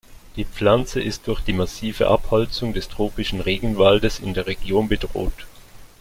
Die Pflanze ist durch die massive Abholzung des tropischen Regenwaldes in der Region bedroht.